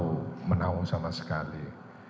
tidak tahu menanggung sama sekali